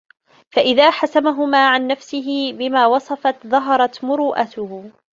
فَإِذَا حَسَمَهُمَا عَنْ نَفْسِهِ بِمَا وَصَفْتُ ظَهَرَتْ مُرُوءَتُهُ